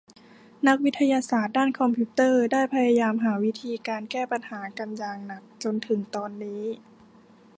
นักวิทยาศาสตร์ด้านคอมพิวเตอร์ได้พยายามหาวิธีการแก้ปัญหากันอย่างหนักจนถึงตอนนี้